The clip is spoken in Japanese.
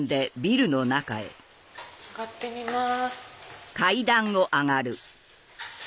上がってみます。